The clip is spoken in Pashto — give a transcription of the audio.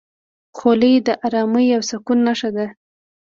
خولۍ د ارامۍ او سکون نښه ده.